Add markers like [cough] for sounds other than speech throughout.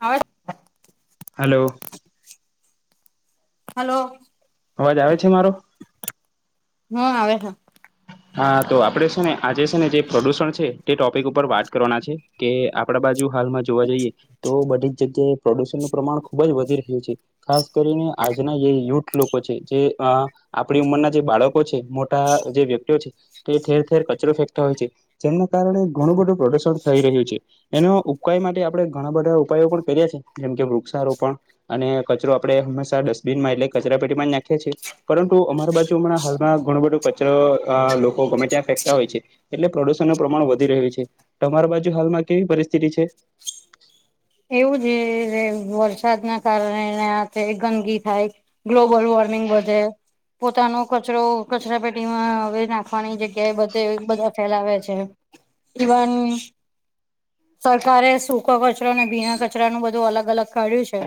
હા hello hello અવાજ આવે છે મારો હમ આવે હા હા તો આપડે છે ને આજે છે ને જે પ્રદુષણ છે તે ટોપિક ઉપર વાત કરવાના છે કે આપડા બાજુ હાલમાં જોવા જોઈએ તો બધી જ જગ્યાએ પ્રદુષનનુંું પ્રમાણ ખુબ જ વધી રહ્યું છે ખાસ કરીને આજના જે યુથ લોકો છે જે આપણી ઉંમરના જે બાળકો છે મોટા જે વ્યક્તિઓ છે તે ઠેર ઠેર કચરો ફેંકતા હોય છે જેમના કારણે ઘણું બધું પ્રદુષણ થઈ રહ્યું છે એનો ઉપાય માટે આપણે ઘણા બધા ઉપાયો પણ કર્યા છી જેમ કે વૃક્ષારોપણ અને કચરો આપડે હંમેશા ડસ્ટબિન માં એટલે કચરા પેટી માં જ નાખીએ છીએ પરંતુ અમારી બાજુ હમણાં હાલમાં ઘણું બધું કચર અ લોકો ગમે ત્યાં ફેંકતા હોય છે એટલે પ્રદૂષણનુંું પ્રમાણ વધી રહ્યું છે તમારા બાજુ હાલમાં કેવી પરિસ્થિતિ છે એવું છે વરસાદના કારણે ગંદગી થાય ગ્લોબલ વોર્મિંગ વધે પોતાનો કચરો કચરા પેટીમાં હવે નાખવાની જગ્યા એ બધે બધા ફેલાવે છે. ઇવન, સરકારે સુ કવજ રો ને ભીણા કચરાનું બધું અલગ અલગ કાઢ્યું છે.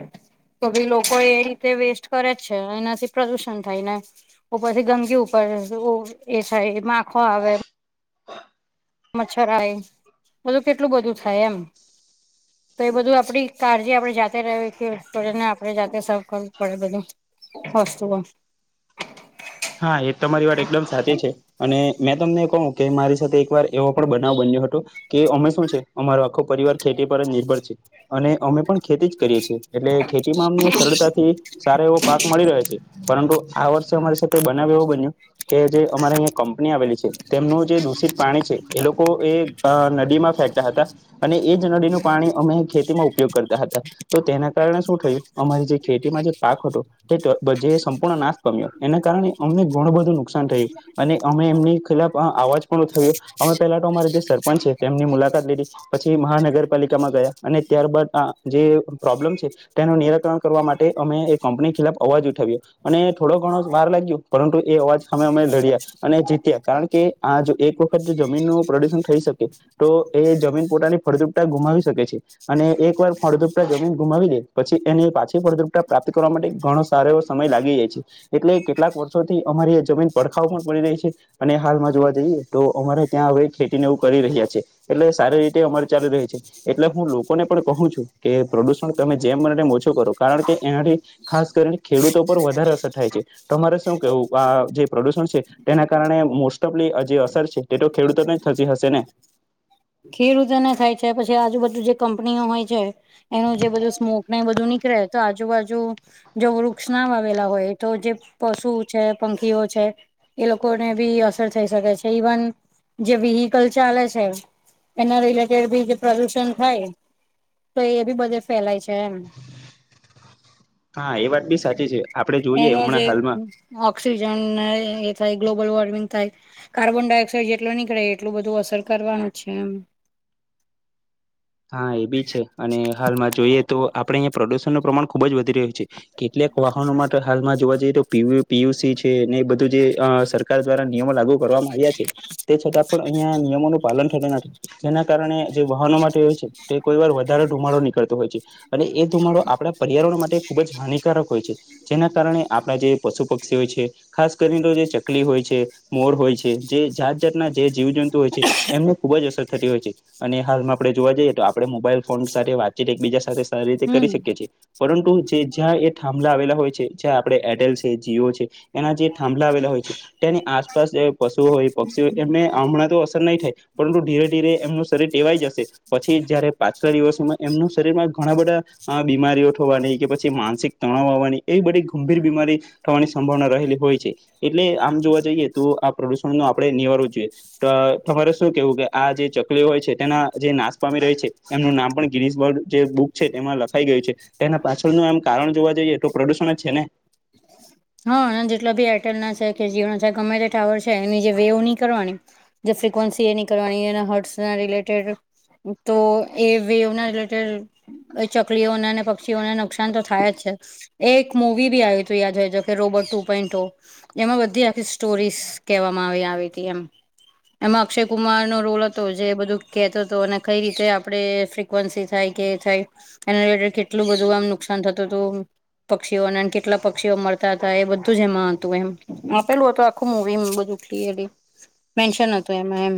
તો ભી લોકો એ રીતે વેસ્ટ કરે જ છે, એનાથી પ્રદુષણ થાય ને પછી ગંદકી ઉપર ઓ એ છે માખો આવે મચ્છર આય બધું કેટલું બધું થાય એમ. તો એ બધું આપડી કાળજી આપણે જાતે [unintelligible] આપણે જાતે સાફ કરવું પડે બધું. વસ્તુઓ. હા એ તમારી વાત એકદમ સાચી છે. અને મેં તમને કહું કે મારી સાથે એકવાર એવો પણ બનાવ બન્યો હતો. કે અમે શું છે અમારો આખો પરિવાર ખેતી પર જ નિર્ભર છે અને અમે પણ ખેતી જ કરીએ છીએ એટલે ખેતીમાં અમને સરળતાથી સારો એવો પાક મળી રહે છે, પરંતુ આ વર્ષે અમારી સાથે બનાવ એવો બન્યો કે જે અમાર અહીંયા કંપની આવેલી છે તેમનું જે દૂષિત પાણી છે એ લોકો એ અ નદીમાં ફેંકતા હતા અને એ જ નદીનું પાણી અમે ખેતીમાં ઉપયોગ કરતા હતા તો તેના કારણે શું થયું અમારી જે ખેતીમાં જે પાક હતો [unintelligible] જે સંપૂર્ણ નાશ પમ્યો એને કારણ કે અમને ઘણું બધું નુકસાન થયું અને અમે એમની ખિલાફ અ આવાજ થયું અમે પેલા તો અમારે જે સરપંચ છે તેમની મુલાકાત લીધી. પછી મહાનગરપાલિકામાં ગયા અને ત્યારબાદ આ જે પ્રોબ્લેમ છે. તેનું નિરાકરણ કરવા માટે અમે એ કંપની ખિલાફ અવાજ ઉઠાવ્યો અને થોડો ઘણો વાર લાગ્યું પરંતુ એ અવાજ અમે અમે લડ્યા અને જીત્યા કારણ કે આ જો એક જમીનનું પ્રદુશન થઈ શકે તો એ જમીન પોતાની ફળદ્રુપતા ગુમાવી શકે છે. અને એક વાર ફળદ્રુપટા જમીન ગુમાવી દે પછી એની પાછી ફળદ્રુપટા પ્રાપ્ત કરવા માટે ગણો સારો એવો સમય લાગી જાય છે, એટલે કેટલાક વર્ષોથી અમારી આ જમીન પડખાાવ પણ પડી રહે છે. અને હાલમાં જોવા જઈએ તો અમારે ત્યાં હવે ખેતીને એવું કરી રહ્યા છે. એટલે સારી રીતે અમારી ચાલી રહી છે. એટલે હું લોકોને પણ કહું છું કે પ્રદુષણ તમે જેમ બને તેમ ઓછું કરો કારણ કે એનાથી ખાસ કરીને ખેડૂતો પર વધારે અસર થાય છે. તમારે શું કેવું આ જે પ્રદુષણ છે તેના કારણે મોસ્ટ ઓફલી અ જે અસર છે તે તો ખેડૂતો ને થતી હશે ને. ખેડુતોને થાય છે પછી આજુ બજું જે કંપનીઓ હોય છે. એનું જે બધું સ્મોકને એ બધું નીકળે તો આજુબાજુ જો વૃક્ષ ના વાવેલા હોય તો જે પશુ છે પંખીઓ છે. એ લોકોને બી અસર થઈ શકે છે ઈવન જે વીહીકલ ચાલે છે. એના રિલેટેડ બી જે પ્રદુષણ થાય તો એ બી બધે ફેલાય છે એમ. હા એ વાત બી સાચી છે આપડે જોઈએ હમણાં હાલમાં ઓક્સિજનને એ થાય ગ્લોબલ વોર્મિંગ થાય. કાર્બન ડાયોક્સાઇડ જેટલો નીકળે એટલું બધું અસર કરવાનું છે એમ. હા એ બી છે અને હાલમાં જોઈએ તો આપડે અહીંયા પ્રદુષણનું પ્રમાણ ખુબ જ વધી રહ્યું છે. કેટલેક વાહનોમાં તો હાલમાં જોવા જઈએ તો પીવી પીયુસી છે ને એ બધું જે અ સરકાર દ્વારા નિયમો લાગુ કરવામાં આવ્યા છે. તે છતાં પણ અહિયાં નિયમોનું પાલન થતું નથી જેના કારણે જે વાહનો માટે છે, તે કોઈવાર વધારે ધુમાડો નીકળતો હોય છે અને એ ધુમાડો આપડા પર્યાવરણ માટે ખૂબ જ હાનિકારક હોય છે, જેના કારણે આપણા જે પશુ પક્ષી હોય છે. ખાસ કરીને તો જે ચકલી હોય છે, મોર હોય છે, જે જાત જાતના જે જીવજંતુ હોય છે. એમને ખુબ જ અસર થતી હોય છે, અને હાલમાં આપડે જોવા જઈએ. તો આપડે મોબાઈલ ફોન સાથે વાતચીત એકબીજા સાથે સારી રીતે હમ કરી શકીએ છીએ, પરંતુ જે જ્યાં એ થાંભલા આવેલા હોય છે જ્યાં આપણે એરટેલ છે જીઓ છે એના જે થાંભલા આવેલા હોય છે. તેની આસપાસ જે પશુ હોય પક્ષી હોય એમને હમણાં તો અસર નહીં થાય. પરંતુ ધીરે ધીરે એમનું શરીર ટેવાય જશે પછી. જયારે પાછલા દિવસોમાં એમનું શરીરમાં ઘણા બધા. આ બીમારીઓ થવાની કે પછી માનસિક તણાવ આવવાની એવી બધી ગંભીર બીમારી. થવાની સંભાવના રહેલી હોય છે, એટલે આમ જોવા જઈએ તો આ પ્રદુષણ ન આપડણે નિવારવ જોઈએ. તમારે શું કેવું કે આ જે ચકલી હોય છે તેના જે નાસ્ પા રહી છે એમનું નામ પણ ગિ બ જે બુક છે એમાં લખાઈ ગયું છે. એના પાછળનું એમ કારણ જોવા જઈએ તો પ્રદુષણ જ છે ને. હા જેટલા બી એરટેલ ના છે કે જીઓ ના છે ગમે તે ટાવર છે એની જે વેવ નહી કરવાની. જે ફ્રિકવન્સી એ નીકળવાની એ હર્ટઝના રિલેટેડ. તો એ વેવ ના રિલેટેડ. એ ચકલીઓને અને પક્ષીઓને નુકસાન તો થાય જ છે. એ એક મૂવી બી આયુતું યાદ હોય તો રોબર્ટ ટુ પોઈન્ટ ઓ. એમાં બધી આખી સ્ટોરીઝ કહેવામાં આવી આવી હતી એમ. એમાં અક્ષય કુમાર નો રોલ હતો જે બધું કેતો હતો અને કઈ રીતે આપડે [unintelligible] વન્સી થાય કે થાય એના લીધે આમ કેટલું બધું આમ નુકસાન થતું હતું. પક્ષીઓને કેટલા પક્ષીઓ મળ હતા એ બધુંજ એમાં હતું એમ, આપેલું હતું આખું મૂવી માં ક્લિયર્લી મેન્શન હતું એમાં એમ.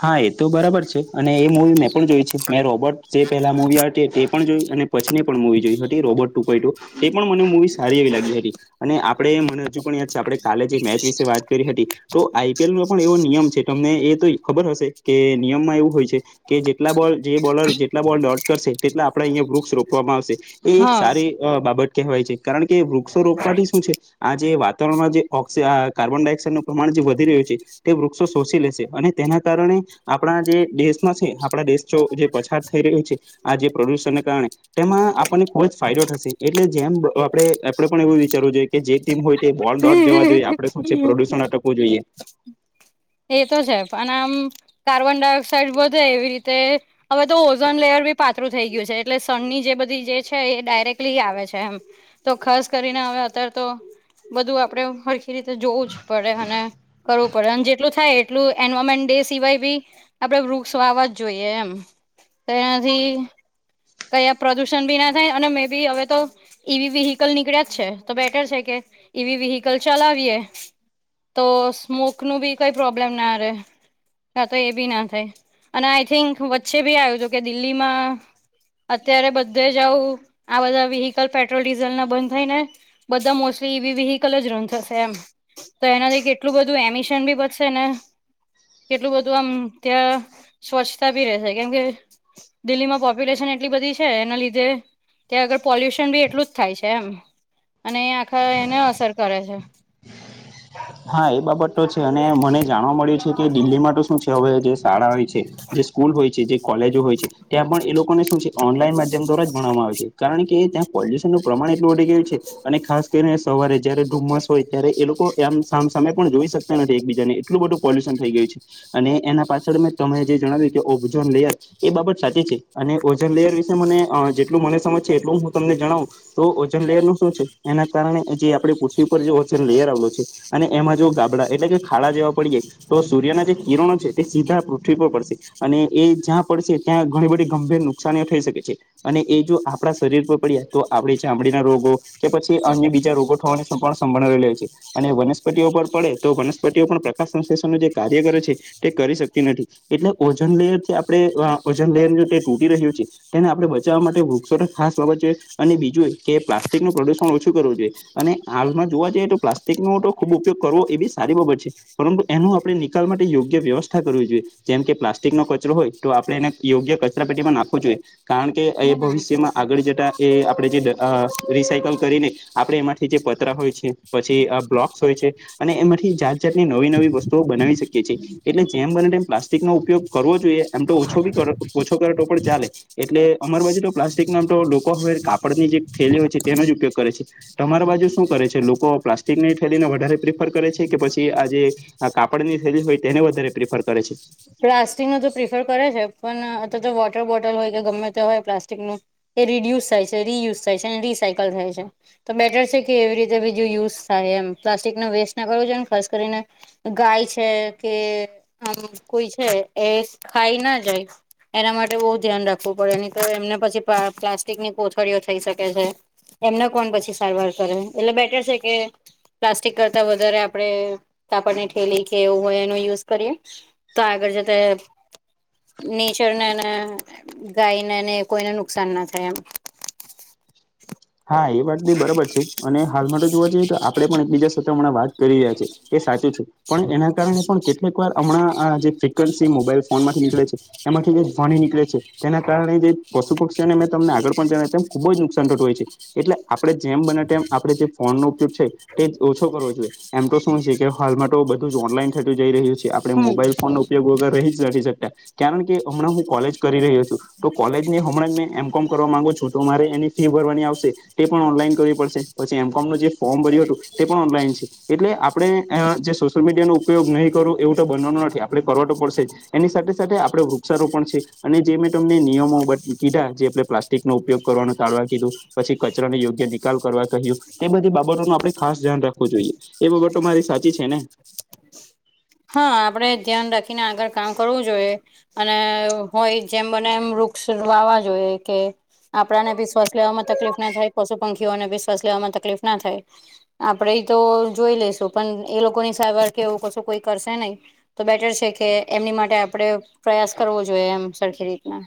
હા, એતો બરાબર છે અને એ મૂવી મેં પણ જોઈ છે. મેં રોબર્ટ જે પહેલા મુવી આવે તે પણ જોઈ અને પછીની પણ મૂવી જોઈ હતી રોબર્ટ ટુ પોઇન્ટ ઓ, એ પણ મને મૂવી સારી એવી લાગી હતી. અને આપડે મને હજુ પણ યાદ છે, આપડે કાલે જે મેચ વિશે વાત કરી હતી. તો આઈ પી એલ નો પણ એવો નિયમ છે તમને એ તો. ખબર હશે કે નિયમમાં એવું હોય છે કે જેટલા બોલ જે બોલર જેટલા બોલ ડોટ કરશે એટલે આપડા અહીયા વૃક્ષ રોપવામાં આવશે એ એક હા સારી બાબત કહેવાય છે કારણકે વૃક્ષો રોપવાથી શું છે આ જે વાત. વાતાવરણમાં જે ઓકસી અહ કાર્બન ડાયોક્સાઇડ નું પ્રમાણ જે વધી રહ્યું છે તે વૃક્ષો શોષી લેશે અને તેના કારણે આપડા જે દેશમાં છે આપડા દેશ જે પછાર થઈ રહ્યો છે. આ જે પ્રડ્યુશનને કારણે તેમાં આપણને ખુબજ ફાયદો થશે એટલે જેમ આપડે આપડે પણ એવું વિચારવું જોઈએ કે જે ટીમ હોય તે બોલ ડોટ જવા જોઈએ આપણે શું છે પ્રડ્યુશન અટકવું જોઈએ. એતો છે પણ આમ કાર્બન ડાયોક્સાઇડ વધે એવી રીતે. હવે તો ઓઝોન લેયર બી પાતળું થઈ ગયું છે એટલે સન ની જે બધી જે છે એ ડાયરેક્ટલી આવે છે એમ. તો ખાસ કરીને હવે અત્યારે તો. બધું આપડે હળખી રીતે જોવું જ પડે અને કરવું પડે અને જે જેટલું થાય એટલું એન્વાયરમેન્ટ ડે સિવાય બી આપડે વૃક્ષ વાવા જ જોઈએ એમ. તેનાથી કયા પ્રદુષણ ભી ના થાય અને મે બી હવે તો ઈવી વેહીકલ નીકળ્યા જ છે તો બેટર છે, કે ઈવી વેહીકલ ચલાવીએ. તો સ્મોક નું બી કઈ પ્રોબ્લેમ ના રહે. હા તો એ બી ના થાય, અને આઈ થિંક વચ્ચે બી આવ્યું છે કે દિલ્હીમાં અત્યારે બધે જ આવું આ બધા વ્હીકલ પેટ્રોલ ડીઝલ ના બંધ થઈ ને. બધા મોસ્ટલી ઈવી વહીકલ જ રન થશે એમ. તો એના લઈ એટલું બધું એમિશન બી બશે ને કેટલું બધું આમ ત્યાં સ્વચ્છતા બી રે છે કેમ કે દિલ્હીમાં પ્યુશન એ એટલી બધી છે એના લીધે, ત્યાં આગળ પોલ્યુશન બી એટલું જ થાય છે એમ. અને એ આખા એને અસર કરે છે. હા એ બાબત તો છે અને મને જાણવા મળ્યું છે કે દિલ્હીમાં તો શું છે હવે જે શાળા હો છે. જે સ્કલ હોય છે જે કોલેજો હોય છે ત્યાં પણ એ લોકોને શું છે ઓનલાઈન માધ્યમ દ્વારા જ ભણવામાં આવે છે, કારણ કે ત્યાં પોલ્યુશન નું પ્રમાણ એટલું વધડી ગયું છે, અને ખાસ કરીને સવારે જયારે ધુમ્મસ હોય ત્યારે એ લોકો એમ કમ સામે પણ જોઈ શકતા નથી એકબીજા ને એલું બધું પોલ્યુશન થઈ ગય છે. અને એના પાછળ મેં તમે જે જણાવ્યું કે ઓબઝોન લેયર. એ બાબત સાચી છે, અને ઓજન લેયર વિશે મને જેટલું મને સમજ છે એટલું હું તમને જણાવું. તો ઓજન લેયર નું શું છે એના કારણે જે આપડ પૃથ્વી પરર જે ઓજન લેયર આવેલો છે. અને એમાં જો ગાબડા એટલે કે ખાડા જેવા પડીએે તો સૂર્યના જે કિરણો છે તે સીધા પૃથ્વી પર પડશે. અને એ જ્યાં પડશે ત્યાં ઘણી બધી ગંભીર નુકસાનીઓ થઈ શકે છે. અને એ જો આપણા શરીર પર પડ્યા તો આપણે ચામડીના રોગો. કે પછી અન્ય બીજા રોગો થવાને પણ સંભળાવ લે છે, અને પર પડે તો વનસ્પતિઓ પણ પ્રકાશ સંશષનું જે કાર્ય કરે છે. તે કરી શકતી નથી એટલે ઓજન લેયરથી આપણે ઓજન લેયર તૂટી રહ્યું છે તેને આપણે બચાવવા માટે વૃક્ષો ખાસ બાબત છે અને બીજું કે પ્લાસ્ટિક નું પ્રદુષણ ઓછું કરવું જોઈએ અને હાલમાં જોવા જઈએ તો પ્લાસ્ટિક નો તો ખુબ ઉપયોગ કરવો એ બી સારી બાબત છે પરંતુ એનું આપણે નિકાલ માટે યોગ્ય વ્યવસ્થા કરવી જોઈએ જેમ કે પ્લાસ્ટિક નો કચરો હોય તો આપણે એને યોગ્ય કચરા પેટીમાં નાખવો જોઈએ કારણ કે એ હમ ભવિષ્યમાં આગળ જતા એ આપણે જે રિસાયકલ કરીને આપે એમાંથી જે પતરા હોય છે પછી બ્લોક છે અને એમાંથી જાત જાતની નવી નવી વસ્તુઓ બનાવી શકીએ છીએ એટલે જેમ બને તેમ પ્લાસ્ટિક નો ઉપયોગ કરવો જોઈએ એમ તો ઓછો બી કરો ઓછો કરે તો પણ ચાલે એટલે અમાર બાજુ તો પ્લાસ્ટિક નામ તો લોકો હવે કાપડની જે થેલી હોય છે તેનો જ ઉપયોગ કરે છે તમારા બાજુ શું કરે છે લોકો પ્લાસ્ટિક ને થેલીને વધારે પ્રિફર કરે છે કે પછી આ જે કાપડની થેલી હોય તેને વધારે પ્રિફર કરે છે પ્લાસ્ટિક ને તો પ્રિફર કરે છે પણ આતો વોટર બોટલ હોય કે ગમે ત હોય પ્લાસ્ટિક નુ એ રીડ્યુસ થાય છે રિયુઝ થાય છે અને રિસાયકલ થાય છે તો બેટર છે કે એવી રીતે બીજું યુઝ થાય એમ પ્લાસ્ટિક ને વેસ્ટ ના કરવું જો ને ખાસ કરીને ગાય છે કે આમ કોઈ છે એ ખાઈ ના જાય એના માટે બહુ ધ્યાન રાખવું પડે નહી તો એમને પછી પ્લાસ્ટિકની કોથળીઓ થઈ શકે છે એમને કોણ પછી સારવાર કરે એટલે બેટર છે કે પ્લાસ્ટિક કરતાં વધારે આપડે કાપડની ઠેલી કે એવું હોય એનો યુઝ કરીએ તો આગળ જતા નેચર ને ગાયને ને કોઈને નુકસાન ના થાય એમ હા એ વાત બી બરાબર છે અને હાલ માટે તો જોવા જઈએ તો આપડણે પણ એકબીજા સાથે હમણાં વાત કરી રહ્યા છે એ સાચું છે પણ એના કારણે પણ કેટલીક વાર હમણાં આ જે ફ્રિકવન્સી મોબાઈલ ફોન મા થી નીકળે છે એમાંથી જે સોણી નીકળે છે તેના કારણે જે પશુ પક્ષીઓને તમને આગળ પણ જ તેમ ખુબ જ નુકસાન થતું હોય છે એટલે આપડણે જેમ બનેમ આપણેે જે ફોન નો ઉપયોગ છે. તે ઓછો કરવો જોઈએ એમ તો શું છે કે હાલમાં તો બધું જ ઓનલાઈન થતું જઈ રહ્યું છે. આપણે હમ મોબાઈલ ફોન નો ઉપયોગ વગર રહી નથી કારણ કે હમણાં હું કોલેજ કરી રહ્યો છું, તો કોલેજને હ કોમ કરવા માંગો છું તો મારે એની ફી ભરવાની આવશે. તે પણ ઓનલાઈન કરવી પડશે પછી એમ કોમનું જે ફોર્મ ભર્યું હતું તે પણ ઓનલાઈન છે, એટલે આપણે જે સોશિયલ મીડિયાનો ઉપયોગ નહીં કરું એવું તો બનવાનો નથી આપણે કરવા તો પડશે જ. એની સાથે સાથે આપડે વૃક્ષારોપણ છે, અને જે મેં તમને નિયમો બ કીધા જે પ્લાસ્ટ નો ઉપયોગ કરવાનું ટાળવા કીધું. પછી કચરાને યોગ્ય નિકાલ કરવા કહ્યું તે બધી બાબતોનું આપણે ખાસ ધ્યાન રાખવું જોઈએ. એ બાબતો મારી સાચી છે ને. હા આપડે ધ્યાન રાખીને આગળ કામ કરવું જોઈએ. અને હોય જેમ મને એમ વૃક્ષ વાવા જોઈએ કે આપણાને બી શ્વાસ લેવામાં તકલીફ ના થાય પશુ પંખીઓને બી શ્વાવસ લેવામાં તકલીફ ના થાય. આપડે તો જોઈ લેશું પણ એ લોકો ની સારવાર કે એવું કશું કોઈ કરશે નહી. તો બેટર છે કે એમની માટે આપણે પ્રયાસ કરવો જોઈએ એમ સરખી રીતના.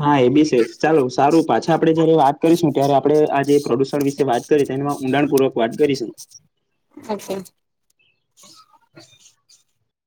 હા એ બી છે ચાલો સારું પાછા આપડે જયારે વાત કરીશું ત્યારે આપડે આ જે ણ વિશે વાત કરી તો એમાં ઊડાણપૂર્વક વાત કરીશું. અચછા [unintelligible]